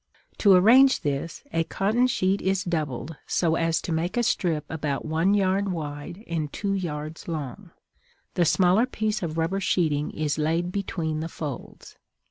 To arrange this, a cotton sheet is doubled so as to make a strip about one yard wide and two yards long; the smaller piece of rubber sheeting is laid between the folds.